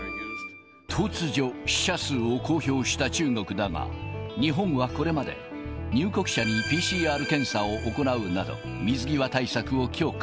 突如、死者数を公表した中国だが、日本はこれまで、入国者にＰＣＲ検査を行うなど、水際対策を強化。